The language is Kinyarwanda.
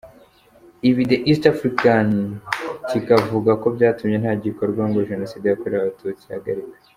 Ibi The East African kikavuga ko byatumye nta gikorwa ngo Jenoside yakorewe Abatutsi ihagarikwe.